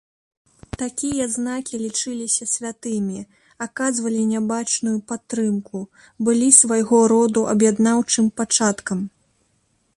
Такія знакі лічыліся святымі, аказвалі нябачную падтрымку, былі свайго роду аб'яднаўчым пачаткам.